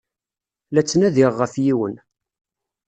La ttnadiɣ ɣef yiwen.